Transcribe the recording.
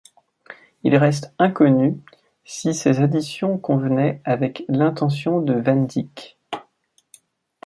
Il reste inconnu si ces additions convenaient avec l'intention de Van Dyck.